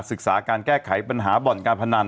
ศึกษาการแก้ไขปัญหาบ่อนการพนัน